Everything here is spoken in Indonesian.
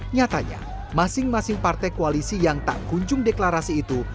nyatanya masing masing partai koalisi yang tak kunjung deklarasi itu